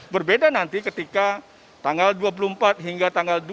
berbeda nanti ketika tanggal dua puluh empat hingga tanggal dua